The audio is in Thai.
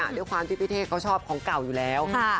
ด้วยความที่พี่เท่เขาชอบของเก่าอยู่แล้ว